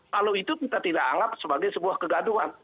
kalau itu kita tidak anggap sebagai sebuah kegaduhan